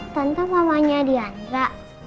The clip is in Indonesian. tante mamanya dianra